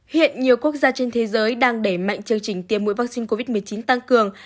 hiện nhiều quốc gia trên thế giới đang đẩy mạnh chương trình tiêm mũi vaccine covid một mươi chín tăng cường